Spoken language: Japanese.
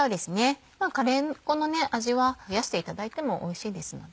カレー粉の味は増やしていただいてもおいしいですので。